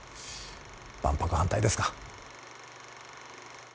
万博反対ですか。